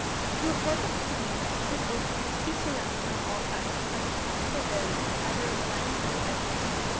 To accord with his views, this ocean must be surrounded on all sides by impassable barriers either of land or ice.